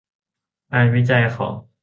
งานวิจัยของ